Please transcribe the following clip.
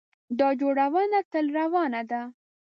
دا جوړونه تل روانه ده.